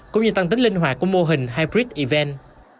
cũng như tăng tính linh hoạt của mô hình hybrid even